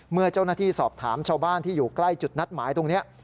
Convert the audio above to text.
เมื่อเจ้าหน้าที่สอบถามชาวบ้านที่อยู่ใกล้จุดนัดหมายตรงนี้